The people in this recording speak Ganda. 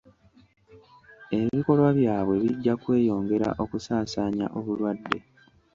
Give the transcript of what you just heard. Ebikolwa byabwe bijja kweyongera okusaasaanya obulwadde.